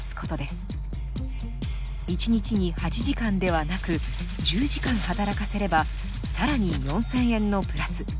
１日に８時間ではなく１０時間働かせれば更に４，０００円のプラス。